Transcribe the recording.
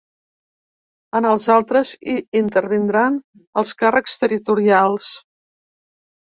En els altres, hi intervindran els càrrecs territorials.